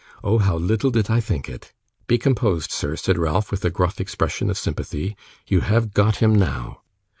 Oh, how little did I think it!' 'Be composed, sir,' said Ralph, with a gruff expression of sympathy, 'you have got him now.